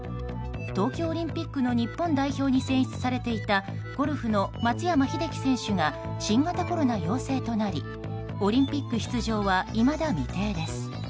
東京オリンピックの日本代表に選出されていたゴルフの松山英樹選手が新型コロナ陽性となりオリンピック出場はいまだ未定です。